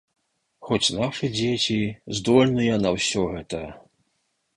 Хоць нашы дзеці здольныя на ўсё гэта.